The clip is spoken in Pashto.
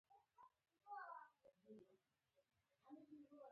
خوب د ذهني فشار ضد دوا ده